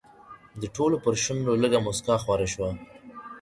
د ټولو پر شونډو لږه موسکا خوره شوه.